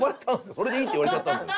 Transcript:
「それでいいって言われちゃったんですよ」